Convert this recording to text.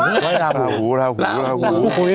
ว่ายราหูราหูราหู